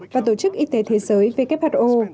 và tổ chức y tế thế giới who